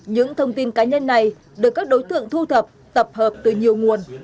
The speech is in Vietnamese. những thông tin cá nhân này được các đối tượng thu thập tập hợp từ nhiều nguồn